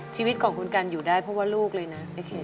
ชีวิตของคุณกันอยู่ได้เพราะว่าลูกเลยนะโอเค